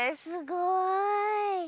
すごい。